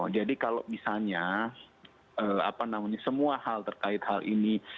jadi kalau misalnya apa namanya semua hal terkait hal ini